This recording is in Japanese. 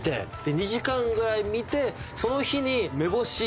２時間ぐらい見てその日に。